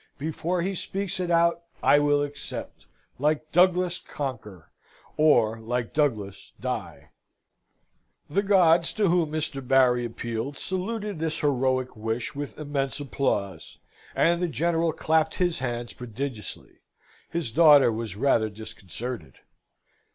Before he speaks it out, I will accept, Like Douglas conquer, or like Douglas die!" The gods, to whom Mr. Barry appealed, saluted this heroic wish with immense applause, and the General clapped his hands prodigiously. His daughter was rather disconcerted.